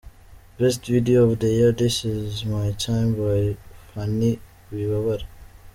Best Video of the year: This is my time by Phanny Wibabara.